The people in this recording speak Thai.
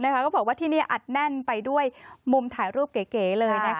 ก็บอกว่าที่นี่อัดแน่นไปด้วยมุมถ่ายรูปเก๋เลย